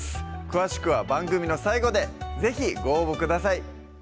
詳しくは番組の最後で是非ご応募ください